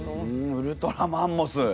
ウルトラマンモス。